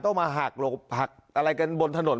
ต้องมาหักอะไรกันบนถนน